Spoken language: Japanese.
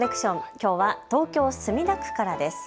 きょうは東京墨田区からです。